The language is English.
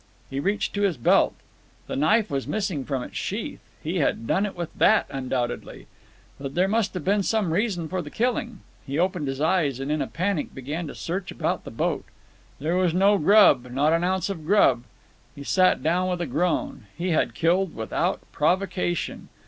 He reached to his belt. The knife was missing from its sheath. He had done it with that undoubtedly. But there must have been some reason for the killing. He opened his eyes and in a panic began to search about the boat. There was no grub, not an ounce of grub. He sat down with a groan. He had killed without provocation.